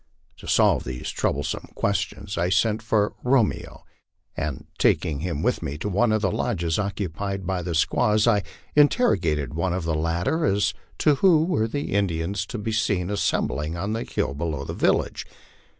To solve these troublesome questions I sent for " Ro meo," and taking him with me to one of the lodges occupied by the squaws, I interrogated one of the latter as to who were the Indians to be seen assem bling on the hill below the village.